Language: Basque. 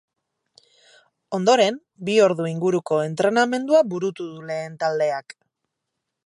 Ondoren, bi ordu inguruko entrenamendua burutu du lehen taldeak.